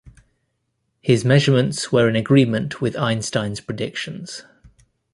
His measurements were in agreement with Einstein's predictions.